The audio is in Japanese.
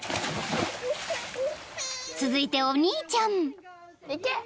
［続いてお兄ちゃん］